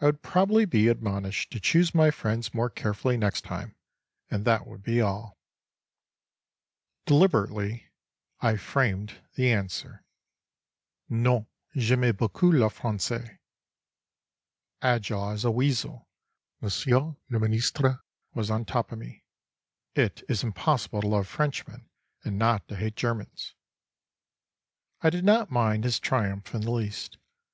I would probably be admonished to choose my friends more carefully next time and that would be all…. Deliberately, I framed the answer: "Non. J'aime beaucoup les français." Agile as a weasel, Monsieur le Ministre was on top of me: "It is impossible to love Frenchmen and not to hate Germans." I did not mind his triumph in the least.